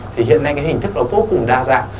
thì hiện nay cái hình thức đó vô cùng đa dạng